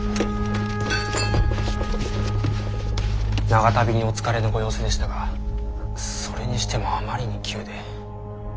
長旅にお疲れのご様子でしたがそれにしてもあまりに急で。